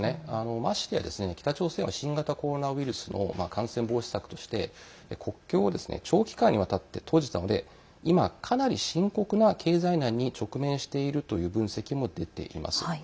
ましてや、北朝鮮は新型コロナウイルスの感染防止策として、国境を長期間にわたって閉じたので今、かなり深刻な経済難に直面しているという分析も出ています。